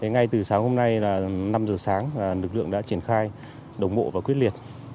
ngay từ sáng hôm nay là năm giờ sáng lực lượng đã triển khai đồng bộ và quyết liệt